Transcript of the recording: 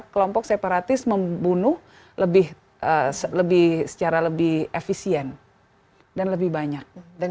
kelompok separatis membunuh secara lebih efisien dan lebih banyak